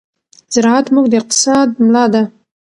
زراعت زموږ د اقتصاد ملا ده.